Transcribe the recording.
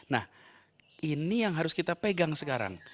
nah ini yang harus kita pegang sekarang